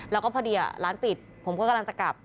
แล้วก็พอดีร้านปิดผมก็กำลังจะกลับ